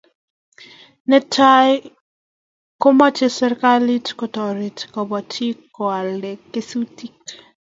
Netai ko mache serikalit ko taret kabatik ko alda kesutik